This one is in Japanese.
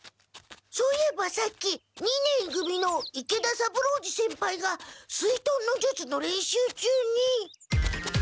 そういえばさっき２年い組の池田三郎次先輩が水遁の術の練習中に。